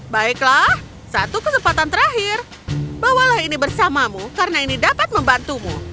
baiklah satu kesempatan terakhir bawalah ini bersamamu karena ini dapat membantumu